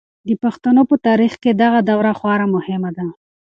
د پښتنو په تاریخ کې دغه دوره خورا مهمه ده.